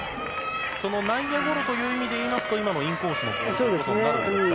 内野ゴロという意味でいいますと今のインコースのボールもそういうことになるんですか。